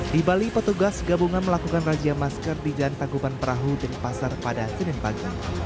di bali petugas gabungan melakukan razia masker di jalan tangkuban perahu denpasar pada senin pagi